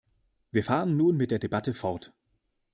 Wir fahren nun mit der Debatte fort.